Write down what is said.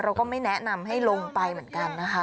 ก็ไม่แนะนำให้ลงไปเหมือนกันนะคะ